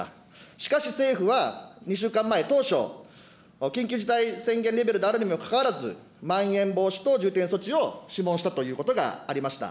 しかし政府は、２週間前、当初、緊急事態宣言レベルであるにもかかわらず、まん延防止等重点措置を諮問したということがありました。